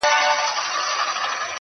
پاچا صاحبه خالي سوئ، له جلاله یې